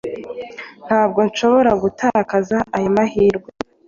Ntabwo nshobora gutakaza aya mahirwe